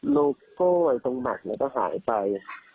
โลโก้ไว้ตรงหลังมันก็หายไป